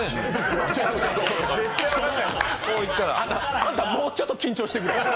ちょちょちょあんた、もうちょっと緊張してくれ。